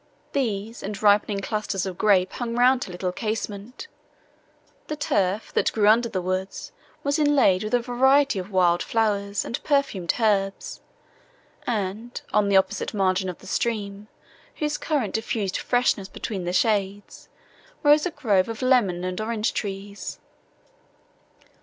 These and ripening clusters of grapes hung round her little casement. The turf, that grew under the woods, was inlaid with a variety of wild flowers and perfumed herbs, and, on the opposite margin of the stream, whose current diffused freshness beneath the shades, rose a grove of lemon and orange trees.